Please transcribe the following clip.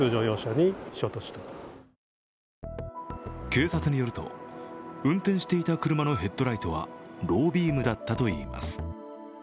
警察によると、運転していた車のヘッドライトはロービームだったといいます。